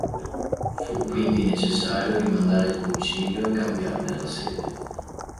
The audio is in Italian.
Fu quindi necessario rimandare il concilio e cambiarne la sede.